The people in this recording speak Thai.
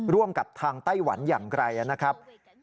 ร่วมกับทางไต้หวันอย่างไกลนะครับ